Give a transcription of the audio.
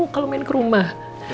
kalo main ke rumah